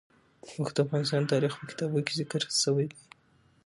اوښ د افغان تاریخ په کتابونو کې ذکر شوی دي.